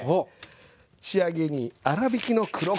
仕上げに粗びきの黒こしょう。